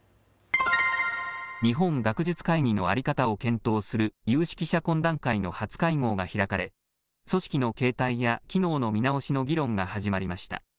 日本学術会議の在り方を検討する有識者懇談会の初会合が開かれ組織の形態や機能の見直しの議論が始まりました。